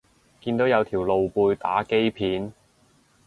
見到有條露背打機片